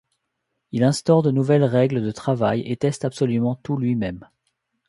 Il instaure de nouvelles règles de travail et teste absolument tout lui-même.